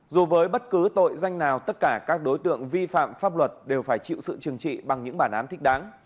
dù với bất cứ tội danh nào tất cả các đối tượng vi phạm pháp luật đều phải chịu sự trừng trị bằng những bản án thích đáng